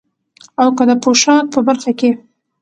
او که د پوشاک په برخه کې،